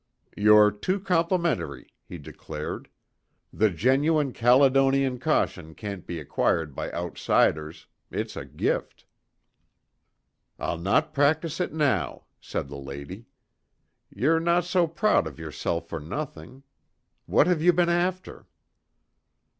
"You're too complimentary," he declared. "The genuine Caledonian caution can't be acquired by outsiders. It's a gift." "I'll no practise it now," said the lady. "Ye'er no so proud of yourself for nothing. What have ye been after?"